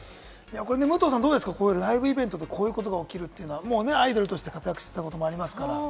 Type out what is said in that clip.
武藤さん、どうですか、ライブイベントでこういうことが起きるのはアイドルとして活躍していたこともありますから。